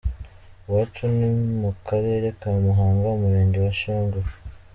Iwacu ni mu karere ka Muhanga, umurenge wa Shyogwe.